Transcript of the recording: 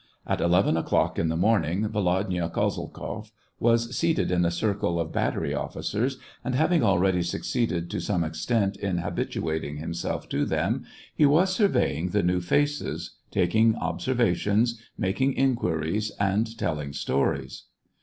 At eleven o'clock in the morning, Volodya Kozeltzoff was seated in a circle of battery officers, and, having already suc ceeded to some extent in habituating himself to them, he was surveying the new faces, taking ob servations, making inquiries, and telling stories.